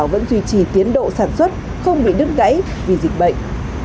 vẫn duy trì tiến độ sản xuất không bị đứt gãy vì dịch bệnh